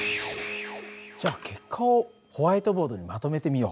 じゃあ結果をホワイトボードにまとめてみよう。